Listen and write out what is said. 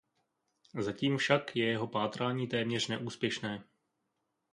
Zatím však je jeho pátrání téměř neúspěšné.